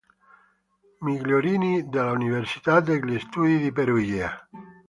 Migliorini” dell’Università degli studi di Perugia.